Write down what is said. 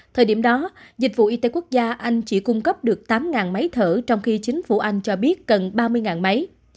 thời điểm đó dịch vụ y tế quốc gia anh chỉ cung cấp được tám máy thở trong khi chính phủ anh cho biết cần ba mươi máy